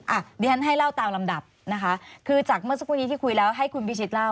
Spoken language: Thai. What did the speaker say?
อ่ะดิฉันให้เล่าตามลำดับนะคะคือจากเมื่อสักครู่นี้ที่คุยแล้วให้คุณพิชิตเล่า